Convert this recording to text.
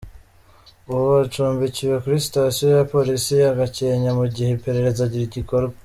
Ubu acumbikiwe kuri Sitasiyo ya Polisi ya Gakenke mu gihe iperereza rigikorwa.